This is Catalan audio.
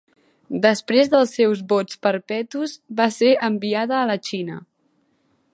Després dels seus vots perpetus, va ser enviada a la Xina.